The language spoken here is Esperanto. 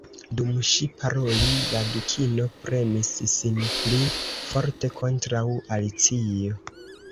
Dum ŝi parolis, la Dukino premis sin pli forte kontraŭ Alicio.